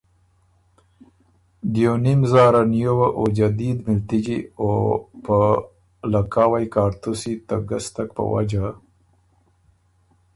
دیونیم زاره نیووه او جدید مِلتِجی او په لکهاوئ کاړتُوسی ته ګستک په وجه